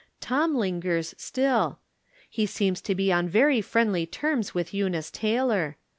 Tom lingers still. He seems to be on very friendly terms with Eu nice Taylor.